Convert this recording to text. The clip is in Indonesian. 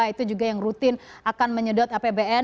itu juga yang rutin akan menyedot apbn